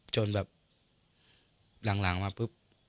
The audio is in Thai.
จนแบบหลังมาปุ๊บ